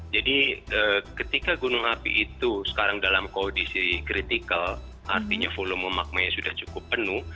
jadi ketika gunung api itu sekarang dalam kondisi kritikal artinya volume magma yang sudah cukup penuh